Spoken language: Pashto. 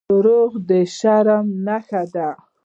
• دروغ د شرم نښه ده.